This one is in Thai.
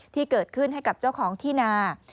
ที่เกิดขึ้นให้กับเจ้าของที่นา